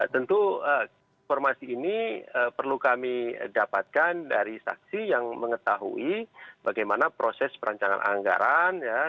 tentu informasi ini perlu kami dapatkan dari saksi yang mengetahui bagaimana proses perancangan anggaran